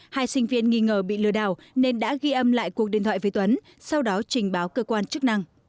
hai sinh viên nghi ngờ bị lừa đảo nên đã ghi âm lại cuộc điện thoại với tuấn sau đó trình báo cơ quan chức năng